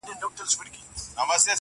د غيږي د خوشبو وږم له مياشتو حيسيږي.